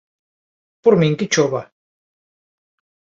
Por min que chova